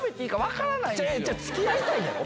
付き合いたいねやろ？